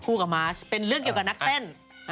กับมาชเป็นเรื่องเกี่ยวกับนักเต้น